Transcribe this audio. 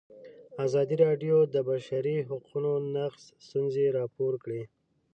ازادي راډیو د د بشري حقونو نقض ستونزې راپور کړي.